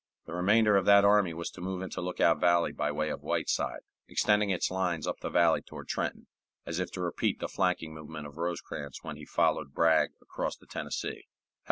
The remainder of that army was to move into Lookout Valley by way of Whiteside, extending its lines up the valley toward Trenton, as if to repeat the flanking movement of Rosecrans when he followed Bragg across the Tennessee.